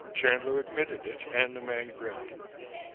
Chandler admitted it, and the man grinned.